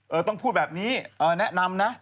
ต้องพูดแบบนี้แนะนำนะ